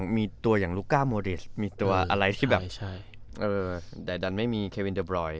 มีตัวอย่างลุคก้าโมเรศใดดันไม่มีเควินเดอร์บรอย